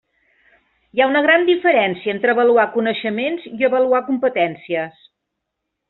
Hi ha una gran diferència entre avaluar coneixements i avaluar competències.